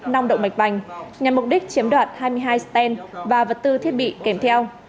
nong động mạch bành nhằm mục đích chiếm đoạt hai mươi hai sten và vật tư thiết bị kèm theo